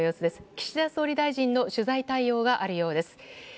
岸田総理大臣の取材対応があるようです。